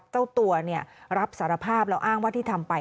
เจ้าตัวรับสารภาพแล้วอ้างว่าที่ทำไป